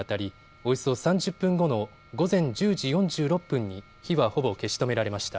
およそ３０分後の午前１０時４６分に火はほぼ消し止められました。